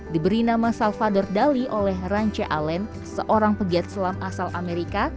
diberi nama salvador dali oleh ranche alen seorang pegiat selam asal amerika